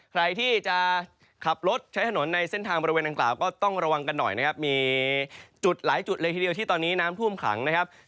ใครที่จะขับรถใช้ถนนในเส้นทางบริเวณดังกล่าวก็ต้องระวังกันหน่อยนะครับมีจุดหลายจุดเลยทีเดียวที่ตอนนี้น้ำท่วมขังนะครับ